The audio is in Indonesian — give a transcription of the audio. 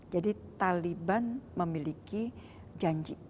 jadi taliban memiliki janji